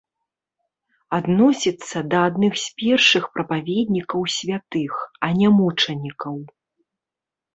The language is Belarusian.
Адносіцца да адных з першых прапаведнікаў святых, а не мучанікаў.